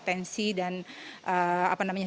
tensi dan apa namanya